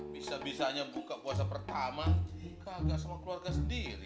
bisa bisanya buka kuasa pertama kagak keluarga sendiri